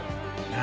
何？